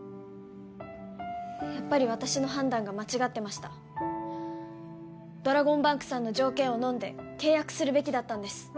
やっぱり私の判断が間違ってましたドラゴンバンクさんの条件をのんで契約するべきだったんです